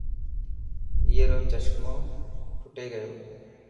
ائي رو چشمو ٽٽي گيو.